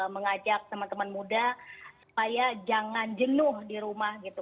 mengajak teman teman muda supaya jangan jenuh di rumah gitu